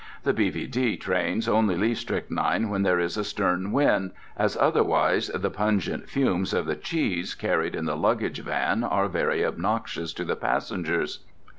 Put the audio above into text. The B.V.D. trains only leave Strychnine when there is a stern wind, as otherwise the pungent fumes of the cheese carried in the luggage van are very obnoxious to the passengers.